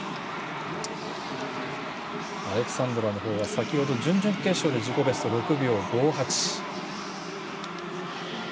アレクサンドラのほうは先ほど準々決勝で自己ベスト６秒５８。